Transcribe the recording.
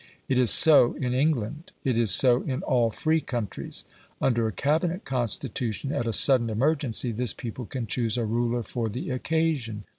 It is so in England; it is so in all free countries. Under a Cabinet Constitution at a sudden emergency this people can choose a ruler for the occasion.